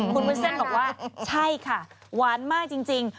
คุณวุ้นเส้นบอกว่าใช่ค่ะหวานมากจริง